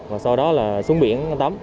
và sau đó là xuống biển tắm